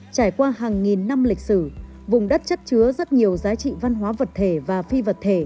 trải qua hàng nghìn năm lịch sử vùng đất chất chứa rất nhiều giá trị văn hóa vật thể và phi vật thể